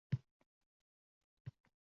O‘smir qizlar ko‘pincha yubka va ko‘ylakda.